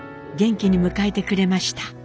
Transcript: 元気に迎えてくれました。